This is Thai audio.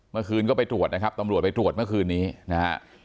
เมื่อคืนก็ไปตรวจนะครับตำรวจไปตรวจเมื่อคืนนี้นะฮะ